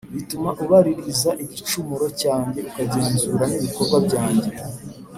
Bituma ubaririza igicumuro cyanjye ukagenzura n’ibikorwa byanjye